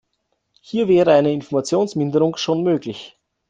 Hier wäre eine Informationsminderung schon möglich.